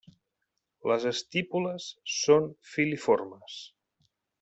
Les estípules són filiformes.